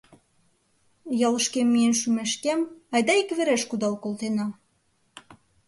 — Ялышкем миен шумешкем, айда иквереш кудал колтена.